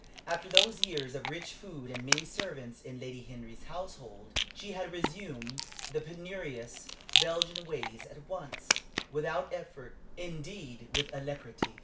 After those years of rich food and many servants in Lady Henry's household, she had resumed the penurious Belgian ways at once, without effort indeed, with alacrity.